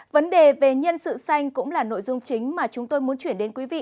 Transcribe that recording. vấn đề về nhân sự xanh cũng là nội dung chính mà chúng tôi muốn chuyển đến quý vị